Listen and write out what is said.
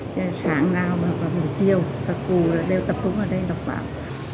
trên sáng nào mà có một chiều cả cụ đều tập cung ở đây đọc báo